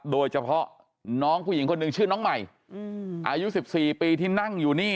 โดยเฉพาะน้องผู้หญิงคนหนึ่งชื่อน้องใหม่อายุ๑๔ปีที่นั่งอยู่นี่